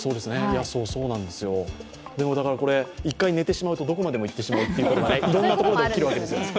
そうなんですよこれ、一回寝てしまうと、どこまでも行ってしまうということがいろんなところで起きるわけです。